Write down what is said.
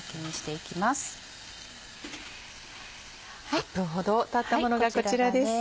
８分ほどたったものがこちらです。